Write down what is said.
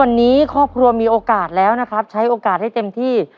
วันนี้ครอบครัวมีโอกาสแล้วนะครับใช้โอกาสให้เต็มที่